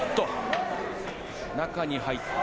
中に入って。